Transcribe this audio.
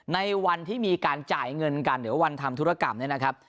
ในวันที่มีการจ่ายเงินกันหรือวันทำธุรกรรมเนี่ยนะครับ